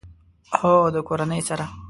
هو، د کورنۍ سره